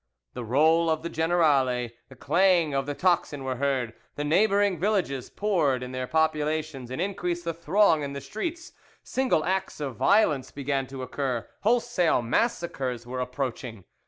The roll of the generale, the clang of the tocsin were heard, the neighbouring villages poured in their populations and increased the throng in the streets; single acts of violence began to occur, wholesale massacres were approaching.